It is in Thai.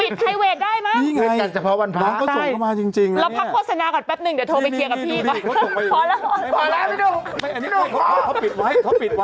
เดี๋ยวนะคือตอนนี้